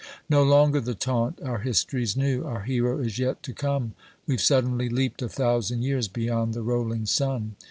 No longer the taunt, our history 's new, " our hero is yet to come "— We 'vo suddenly leaped a thousand years beyond the rolling sun!